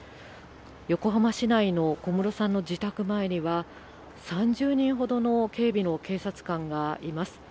横浜市内の小室さんの自宅前には、３０人ほどの警備の警察官がいます。